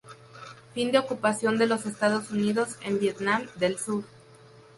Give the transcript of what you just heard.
Fin de ocupación de los Estados Unidos en Vietnam del Sur.